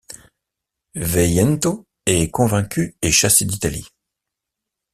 Veiento est convaincu et chassé d’Italie.